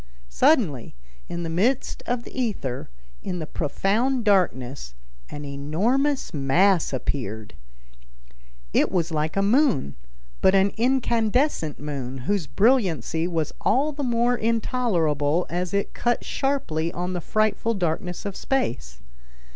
Suddenly, in the midst of the ether, in the profound darkness, an enormous mass appeared. It was like a moon, but an incandescent moon whose brilliancy was all the more intolerable as it cut sharply on the frightful darkness of space.